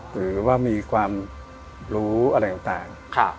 หรือว่ามีความรู้อะไรต่าง